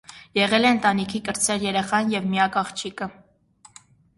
Եղել է ընտանիքի կրտսեր երեխան և միակ աղջիկը։